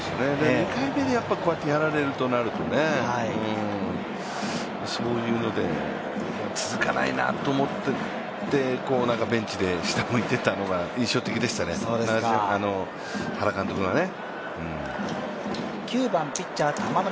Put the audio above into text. ２回でこうやってやられるとなると、そういうので続かないと思っててベンチで下向いていたのが印象的でしたね、原監督がね。